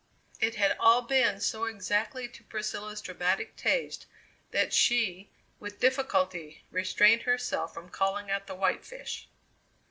It had all been so exactly to Priscilla's dramatic taste that she with difficulty restrained herself from calling at the White Fish.